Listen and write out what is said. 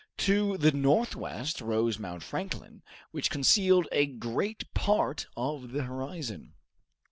To the northwest rose Mount Franklin, which concealed a great part of the horizon.